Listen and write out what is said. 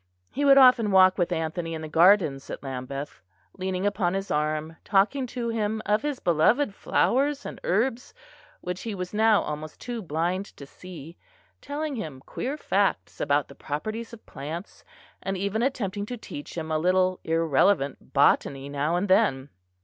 He would often walk with Anthony in the gardens at Lambeth, leaning upon his arm, talking to him of his beloved flowers and herbs which he was now almost too blind to see; telling him queer facts about the properties of plants; and even attempting to teach him a little irrelevant botany now and then.